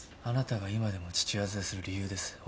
あなたが今でも父親面する理由です。